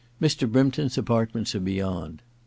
Mr. Brympton's apart ments are beyond.